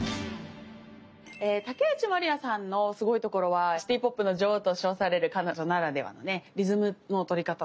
え竹内まりやさんのスゴいところは「シティーポップの女王」と称される彼女ならではのねリズムの取り方とか。